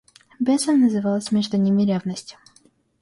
Бесом называлась между ними ревность.